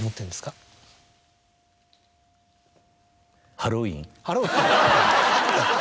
ハロウィーン